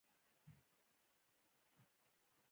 ایا ستاسو ملګري وفادار دي؟